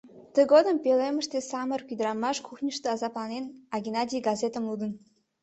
Тыгодым пӧлемыште самырык ӱдырамаш кухньышто азапланен, а Геннадий газетым лудын.